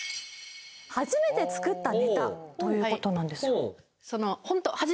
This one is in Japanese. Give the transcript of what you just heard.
初めて作ったネタということなんですよ